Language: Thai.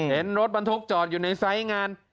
เห็นรถบรรทุกจอดอยู่ในไซส์งาน